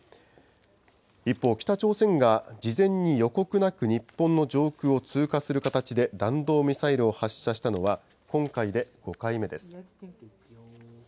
一方、北朝鮮が事前に予告なく日本の上空を通過する形で弾道ミサイルを発射したのは、今回で５回目です。